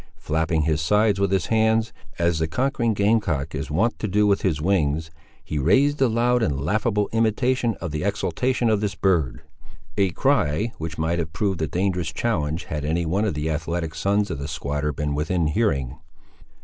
Flapping his sides with his hands, as the conquering game cock is wont to do with his wings, he raised a loud and laughable imitation of the exultation of this bird; a cry which might have proved a dangerous challenge had any one of the athletic sons of the squatter been within hearing.